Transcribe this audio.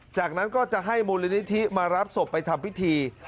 จากนั้นก็จะให้มูลนิธิมารับศพไปทำพิธี